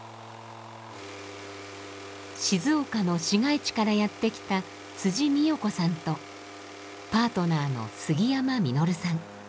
静岡の市街地からやってきた美陽子さんとパートナーの杉山實さん。